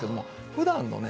ふだんのね